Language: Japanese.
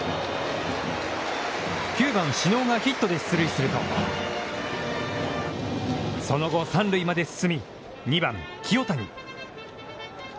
９番小竹がヒットで出塁すると、その後、三塁まで進み、２番清谷。